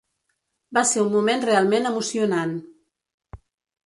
Va ser un moment realment emocionant.